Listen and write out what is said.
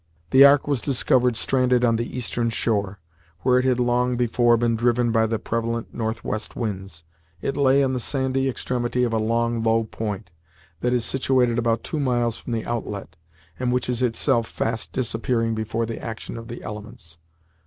The Ark was discovered stranded on the eastern shore, where it had long before been driven with the prevalent northwest winds. It lay on the sandy extremity of a long low point, that is situated about two miles from the outlet, and which is itself fast disappearing before the action of the elements.